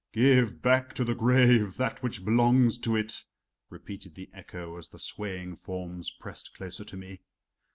"Give back to the grave that which belongs to it," repeated the echo as the swaying forms pressed closer to me.